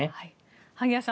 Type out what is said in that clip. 萩谷さん